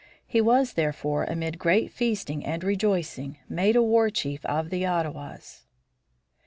He was, therefore, amid great feasting and rejoicing, made a war chief of the Ottawas.